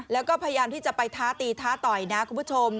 แล้วก็พยายามที่จะไปท้าตีท้าต่อยนะคุณผู้ชม